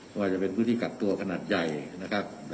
ว่าจะเป็นพื้นที่กักตัวขนาดใหญ่นะครับ